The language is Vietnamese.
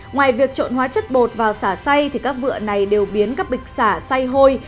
ngoài việc trộn hóa chất bột vào xả xay thì các vựa này đều biến các bịch xả xay hôi